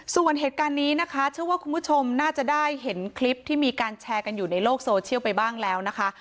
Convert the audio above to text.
ส่วนเหตุการณ์นี้นะคะเชื่อว่าคุณผู้ชมน่าจะได้เห็นคลิปที่มีการแชร์กันอยู่ในโลกโซเชียลไปบ้างแล้วนะคะ